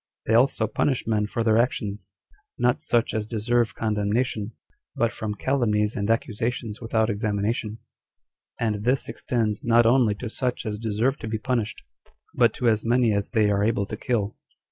They also punish men for their actions, not such as deserve condemnation, but from calumnies and accusations without examination; and this extends not only to such as deserve to be punished, but to as many as they are able to kill.